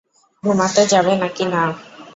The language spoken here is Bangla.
ঘুমাতে যাবে নাকি না?